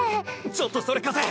ちょっとそれ貸せ。